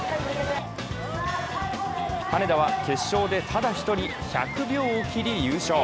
羽根田は決勝でただ１人１００秒を切り優勝。